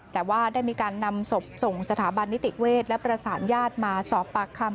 แต่ว่าได้มีการนำศพส่งสถาบันนิติเวศและประสานญาติมาสอบปากคำ